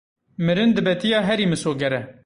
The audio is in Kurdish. Mirin dibetiya herî misoger e.